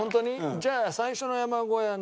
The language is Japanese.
じゃあ最初の山小屋はね